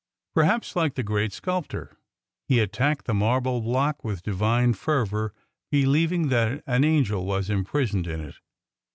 Perhaps, like the great sculptor, he attacked the marble block with Divine fervour, believing that an angel was imprisoned in it.